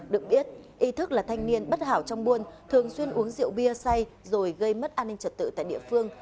được biết ythức là thanh niên bất hảo trong buôn thường xuyên uống rượu bia say rồi gây mất an ninh trật tự tại địa phương